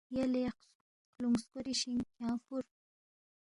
یلے خلوُنگ سکوری شین کھیانگ فُور